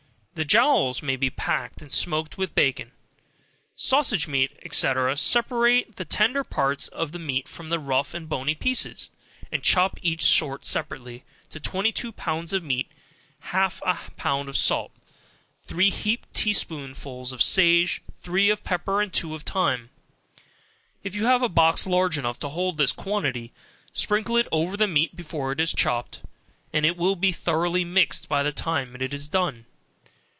The jowls may be packed and smoked with the bacon. Sausage Meat, &c. Separate the tender parts of the meat from the rough and bony pieces, and chop each sort separately, to twenty two pounds of meat have half a pound of salt, three heaped table spoonsful of sage, three of pepper, and two of thyme. If you have a box large enough to hold this quantity, sprinkle it over the meat before it is chopped, and it will be thoroughly mixed by the time it is done.